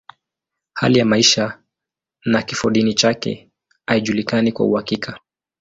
Hali ya maisha na kifodini chake haijulikani kwa uhakika.